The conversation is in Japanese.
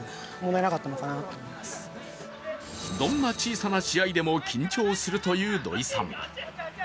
どんな小さな試合でも緊張するという土肥さん。